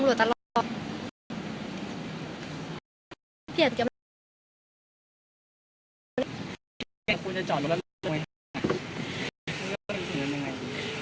สิ่งที่ใกล้ก็กลายได้